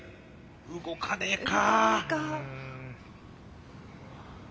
動かねえか。